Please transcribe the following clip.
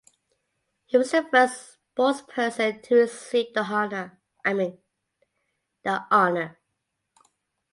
He was the first sportsperson to receive the honour.